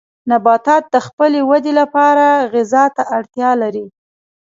نباتات د خپلې ودې لپاره غذا ته اړتیا لري.